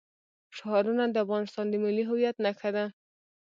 ښارونه د افغانستان د ملي هویت نښه ده.